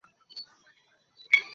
আমার হেব্বি হাসি পাচ্ছে, তাই না?